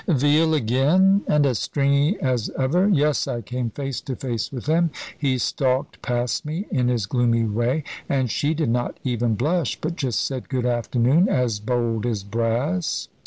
"Veal again! and as stringy as ever. Yes, I came face to face with them. He stalked past me in his gloomy way; and she did not even blush, but just said, good afternoon, as bold as brass."